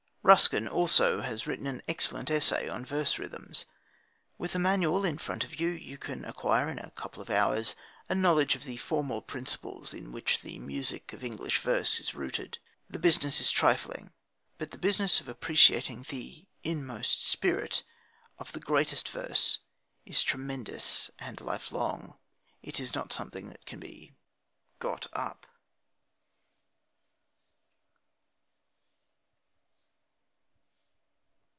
Ruskin also has written an excellent essay on verse rhythms. With a manual in front of you, you can acquire in a couple of hours a knowledge of the formal principles in which the music of English verse is rooted. The business is trifling. But the business of appreciating the inmost spirit of the greatest verse is tremendous and lifelong. It is not something that can be "got up."